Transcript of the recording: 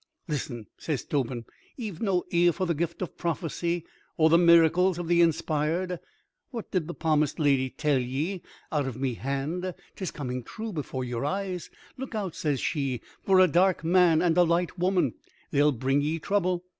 "Listen," says Tobin. "Ye've no ear for the gift of prophecy or the miracles of the inspired. What did the palmist lady tell ye out of me hand? 'Tis coming true before your eyes. 'Look out,' says she, 'for a dark man and a light woman; they'll bring ye trouble.